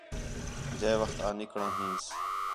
جئے وخت آں نِکڑا ہینس